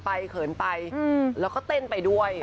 เขินไปแล้วก็เต้นไปด้วย